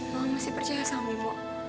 mama masih percaya sama mimo